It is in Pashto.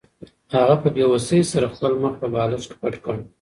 هغې په بې وسۍ سره خپل مخ په بالښت کې پټ کړ.